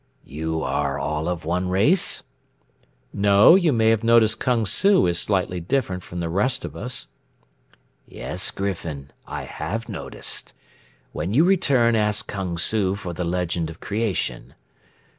"You are all of one race?" "No, you may have noticed Kung Su is slightly different from the rest of us." "Yes, Griffin, I have noticed. When you return ask Kung Su for the legend of creation.